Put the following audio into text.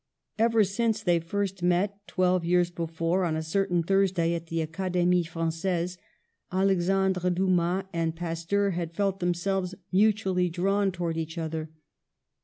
"\ Ever since they first met, twelve years be fore, on a certain Thursday at the Academie Frangaise, Alexandre Dumas and Pasteur had felt themselves mutually drawn towards each other.